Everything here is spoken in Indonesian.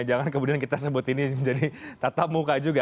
jangan kemudian kita sebut ini menjadi tatap muka juga